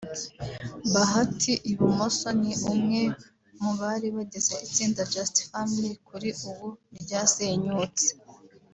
Bahati (ibumoso)ni umwe mu bari bagize itsinda Just Family kuri ubu ryasenyutse